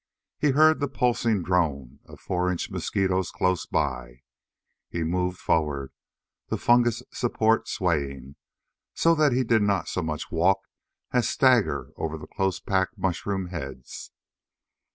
He heard the pulsing drone of four inch mosquitos close by. He moved forward, the fungus support swaying, so that he did not so much walk as stagger over the close packed mushroom heads.